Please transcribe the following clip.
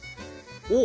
おっ。